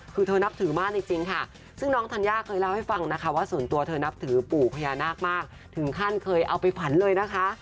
คือเธอนับถือมากจริงค่ะซึ่งน้องธัญญาเคยเล่าให้ฟังนะคะว่าส่วนตัวเธอนับถือปู่พญานาคมากถึงขั้นเคยเอาไปฝันเลยนะคะ